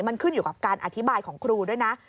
มันขึ้นอยู่กับการอธิบายของครูด้วยนะ